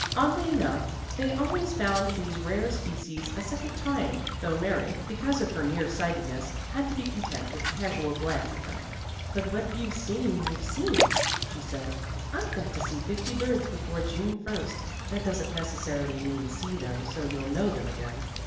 Oddly enough they always found these rare species a second time, though Mary, because of her near sightedness, had to be content with a casual glance at them. "But what you've seen, you've seen," she said. "I've got to see fifty birds before June 1st; that doesn't necessarily mean see them so you'll know them again.